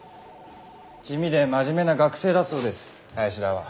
地味で真面目な学生だそうです林田は。